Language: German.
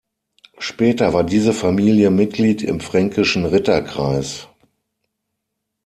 Später war diese Familie Mitglied im Fränkischen Ritterkreis.